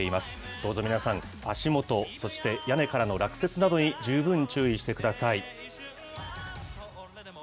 どうぞ皆さん、足元、そして屋根からの落雪などに十分注意してください。